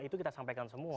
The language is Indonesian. itu kita sampaikan semua